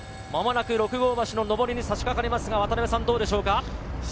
間もなく六郷橋の上りにさしかかりますが、どうでしょうか？